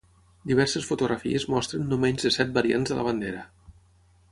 Diverses fotografies mostren no menys de set variants de la bandera.